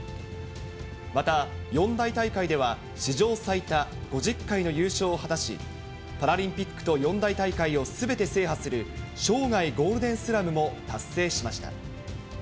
また、四大大会では史上最多５０回の優勝を果たし、パラリンピックと四大大会をすべて制覇する、生涯ゴールデンスラムも達成しました。